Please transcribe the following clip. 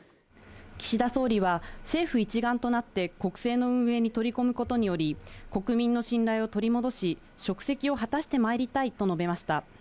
岸田総理は政府一丸となって国政の運営に取り組むことにより、国民の信頼を取り戻し、職責を果たしてまいりたいと述べました。